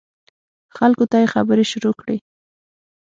خلکو ته یې خبرې شروع کړې.